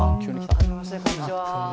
初めましてこんにちは。